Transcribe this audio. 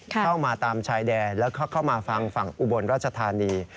เข้ามาตามชายแดนแล้วก็เข้ามาฟังฝั่งอุบลราชธานี